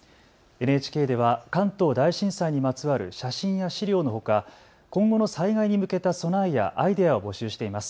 ＮＨＫでは関東大震災にまつわる写真や資料のほか、今後の災害に向けた備えやアイデアを募集しています。